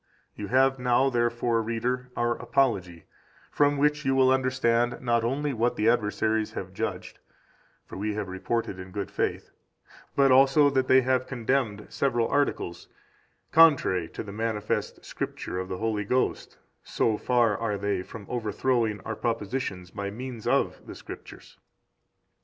9 You have now, therefore, reader, our Apology, from which you will understand not only what the adversaries have judged (for we have reported in good faith), but also that they have condemned several articles contrary to the manifest Scripture of the Holy Ghost so far are they from overthrowing our propositions by means of the Scriptures.